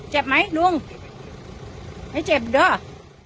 เจ็บไหมลุงไม่เจ็บเด้อ